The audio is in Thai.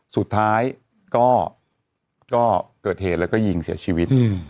สุดท้ายก็เกิดเหตุแล้วก็ยิงเสียชีวิต